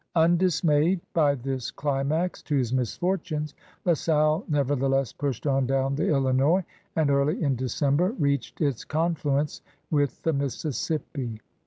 Undismayed by this climax to his misfortimes. La Salle never theless pushed on down the Illinois, and early in December reached its confluence with the Mississippi.